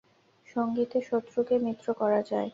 সংগীতে শত্রুকে মিত্র করা যায়!